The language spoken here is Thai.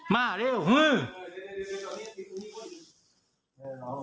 มาเดี๋ยว